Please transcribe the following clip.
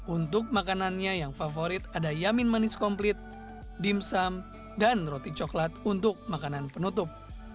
untuk makanannya yang favorit ada yamin manis komplit dimsum dan roti coklat untuk makanan penutup